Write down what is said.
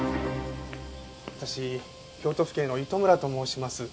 私京都府警の糸村と申します。